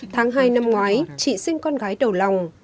tháng hai năm ngoái chị sinh con gái đầu lòng